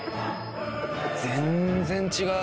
全然違う。